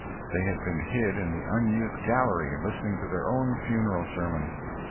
They had been hid in the unused gallery listening to their own funeral sermon!